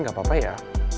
nggak apa apa ya